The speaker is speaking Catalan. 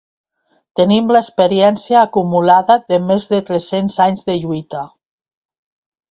Tenim l’experiència acumulada de més de tres-cents anys de lluita.